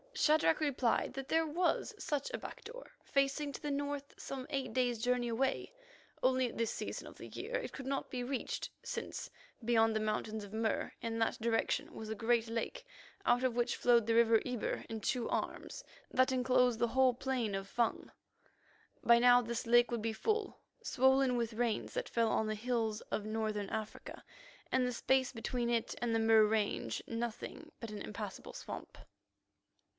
Shadrach replied that there was such a back door facing to the north some eight days' journey away. Only at this season of the year it could not be reached, since beyond the Mountains of Mur in that direction was a great lake, out of which flowed the river Ebur in two arms that enclosed the whole plain of Fung. By now this lake would be full, swollen with rains that fell on the hills of Northern Africa, and the space between it and the Mur range nothing but an impassable swamp.